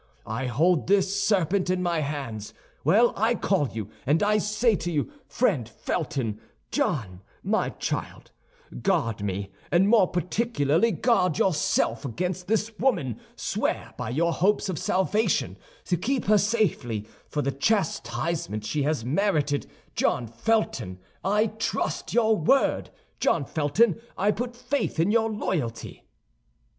I hold this serpent in my hands. Well, I call you, and say to you: Friend Felton, John, my child, guard me, and more particularly guard yourself, against this woman. Swear, by your hopes of salvation, to keep her safely for the chastisement she has merited. John Felton, I trust your word! John Felton, I put faith in your loyalty!"